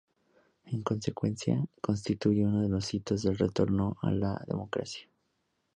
En consecuencia, constituye uno de los hitos del retorno a la democracia.